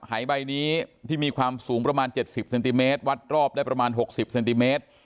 หายใบนี้ที่มีความสูงประมาณ๗๐เซนติเมตรวัดรอบได้ประมาณ๖๐เซนติเมตร